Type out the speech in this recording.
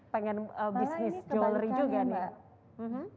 pengen bisnis jolary juga nih